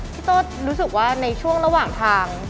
พี่โต้รู้สึกว่าในช่วงระหว่างทาง